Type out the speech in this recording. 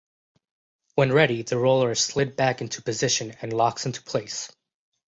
When ready the roller is slid back into position and locks into place.